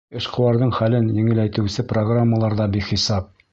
Эшҡыуарҙың хәлен еңеләйтеүсе программалар ҙа бихисап.